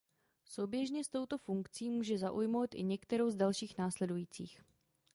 Souběžně s touto funkcí může zaujmout i některou z dalších následujících.